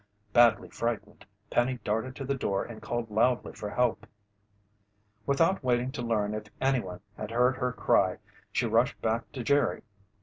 Badly frightened, Penny darted to the door and called loudly for help. Without waiting to learn if anyone had heard her cry, she rushed back to Jerry.